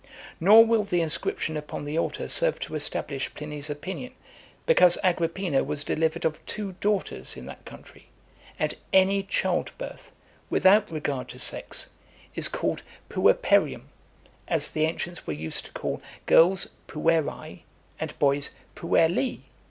Nor will the inscription upon the altar serve to establish Pliny's opinion; because Agrippina was delivered of two daughters in that country, and any child birth, without regard to sex, is called puerperium, as the ancients were used to call girls puerae, and boys puelli.